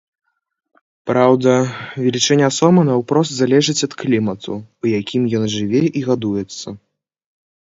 Праўда, велічыня сома наўпрост залежыць ад клімату, у якім ён жыве і гадуецца.